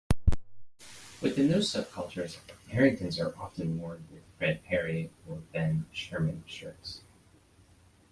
Within those subcultures, Harringtons are often worn with Fred Perry or Ben Sherman shirts.